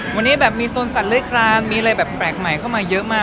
วันนี้แบบมีโซนสัตว์เลื้อยคลามมีอะไรแบบแปลกใหม่เข้ามาเยอะมาก